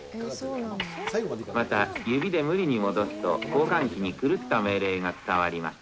また、指で無理に戻すと、交換機に狂った命令が伝わります。